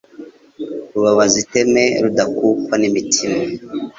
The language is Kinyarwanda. Rubabaza iteme Rudakukwa n'imitima